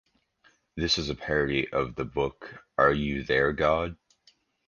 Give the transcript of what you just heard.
This is a parody of the book Are You There God?